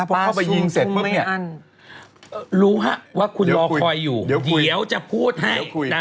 พอเข้าไปยิงเสร็จเพราะงี้ลูหะว่าเราคอยอยู่เดี๋ยวจะพูดให้